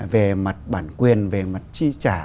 về mặt bản quyền về mặt chi trả